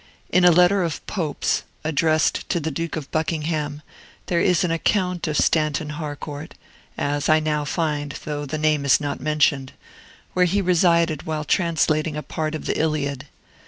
In a letter of Pope's, addressed to the Duke of Buckingham, there is an account of Stanton Harcourt (as I now find, although the name is not mentioned), where he resided while translating a part of the "Iliad."